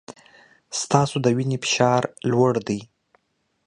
ستاسو د وینې فشار لوړ دی.